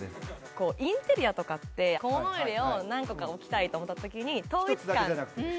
インテリアとかって、小物入れを何個か置きたいと思ったときに、統一感。